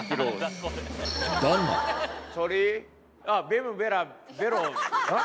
ベムベラベロん？